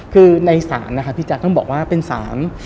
คือในสารพี่แจ๊กต้องบอกว่าเป็นสาร